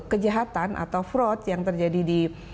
kejahatan atau fraud yang terjadi di